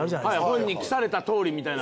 はい本に記された通りみたいな。